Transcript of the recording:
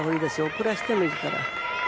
遅らせてもいいから。